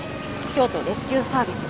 京都レスキューサービス